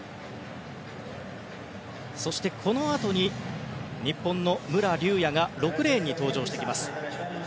そして、このあとに日本の武良竜也が６レーンに登場してきます。